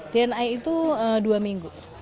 dna itu dua minggu